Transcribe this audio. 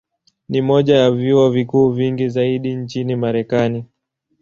Ni moja ya vyuo vikuu vingi zaidi nchini Marekani.